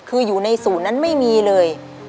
คืออยู่ในศูนย์นั้นไม่มีเลย